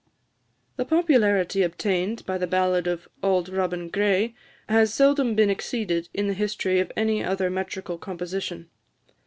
The popularity obtained by the ballad of "Auld Robin Gray" has seldom been exceeded in the history of any other metrical composition.